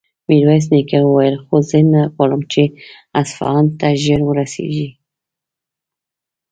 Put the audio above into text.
ميرويس نيکه وويل: خو زه نه غواړم چې اصفهان ته ژر ورسېږي.